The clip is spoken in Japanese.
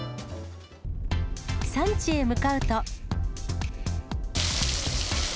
産地へ向かうと。